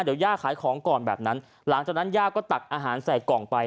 เดี๋ยวย่าขายของก่อนแบบนั้นหลังจากนั้นย่าก็ตักอาหารใส่กล่องไป